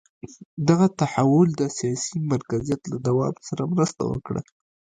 دغه تحول د سیاسي مرکزیت له دوام سره مرسته وکړه.